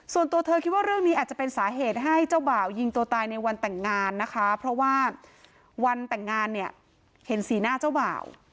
ส่วนตัวเธอคิดว่าเรื่องนี้อาจจะเป็นสาเหตุให้เจ้าบ่าวยิงตัวตายในวันแต่งงานนะคะเพราะว่าวันแต่งงานเนี่ยเห็นสีหน้าเจ้าบ่าว